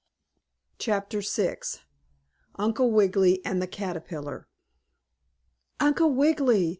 CHAPTER VI UNCLE WIGGILY AND THE CATERPILLAR "Uncle Wiggily!